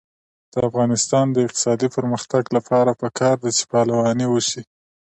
د افغانستان د اقتصادي پرمختګ لپاره پکار ده چې پهلواني وشي.